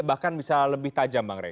bahkan bisa lebih tajam bang rey